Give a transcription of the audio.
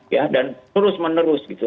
ya dan terus menerus gitu